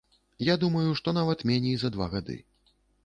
Я думаю, што нават меней за два гады.